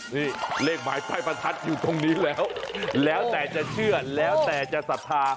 นี่เลขหมายปลายประทัดอยู่ตรงนี้แล้วแล้วแต่จะเชื่อแล้วแต่จะศรัทธา